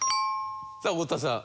さあ太田さん。